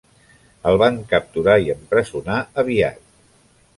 El van capturar i empresonar aviat.